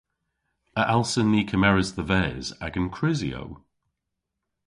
A allsen ni kemeres dhe-ves agan krysyow?